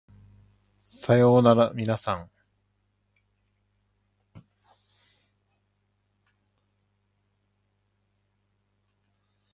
さようならみなさま